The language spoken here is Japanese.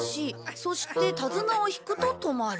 そして手綱を引くと止まる」